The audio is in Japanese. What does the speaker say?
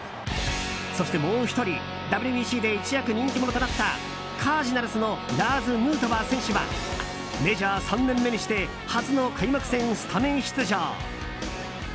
そして、もう１人ＷＢＣで一躍人気者となったカージナルスのラーズ・ヌートバー選手はメジャー３年目にして初の開幕戦スタメン出場。